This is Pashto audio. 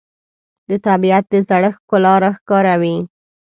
د طبیعت د زړښت ښکلا راښکاره وي